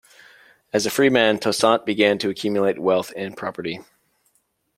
As a free man, Toussaint began to accumulate wealth and property.